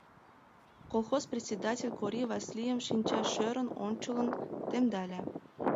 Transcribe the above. Колхоз председатель Кори Васлийым шинчашӧрын ончалын темдале.